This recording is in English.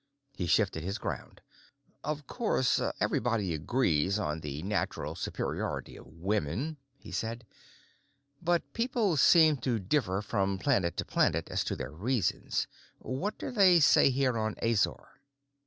He shifted his ground. "Of course everybody agrees on the natural superiority of women," he said, "but people seem to differ from planet to planet as to the reasons. What do they say here on Azor?"